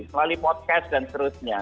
melalui podcast dan seterusnya